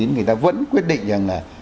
người ta vẫn quyết định rằng là